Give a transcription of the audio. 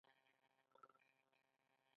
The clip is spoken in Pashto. ایا زه پړسوب لرم؟